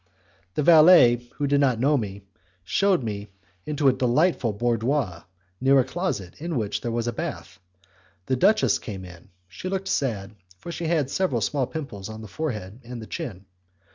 The valet, who did not know me, shewed me into a delightful boudoir near a closet in which there was a bath. The duchess came in; she looked sad, for she had several small pimples on the forehead and the chin.